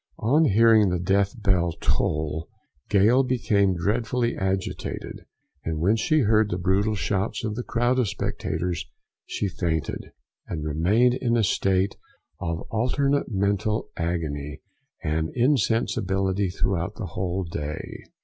On hearing the death bell toll, Gale became dreadfully agitated; and when she heard the brutal shouts of the crowd of spectators, she fainted, and remained in a state of alternate mental agony and insensibility throughout the whole day.